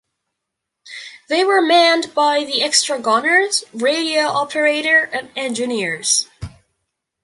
They were manned by the extra gunners, radio operator and engineers.